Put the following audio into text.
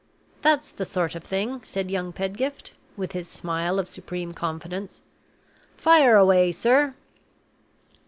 "That's the sort of thing," said young Pedgift, with his smile of supreme confidence. "Fire away, sir!"